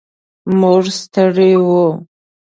موږ ستړي و.